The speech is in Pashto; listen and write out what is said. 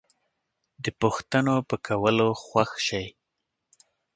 د پوښتنو په کولو خوښ شئ